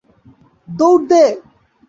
দৌড় দে!